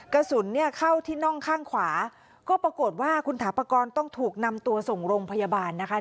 กระสุนเนี่ยเข้าที่น่องข้างขวาก็ปรากฏว่าคุณถาปากรต้องถูกนำตัวส่งโรงพยาบาลนะคะ